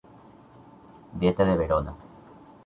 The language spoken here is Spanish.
Dieta de Verona.